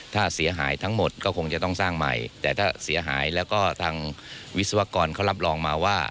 ถ้าเสียหายทั้งหมดก็คงจะต้องสร้างใหม่แต่ถ้าเสียหายแล้วก็ทางวิศวกรเขารับรองมาว่า